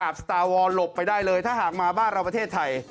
สตาร์วอลหลบไปได้เลยถ้าหากมาบ้านเราประเทศไทย